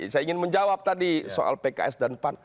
saya ingin menjawab tadi soal pks dan pan